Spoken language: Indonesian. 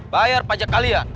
bayar pajak kalian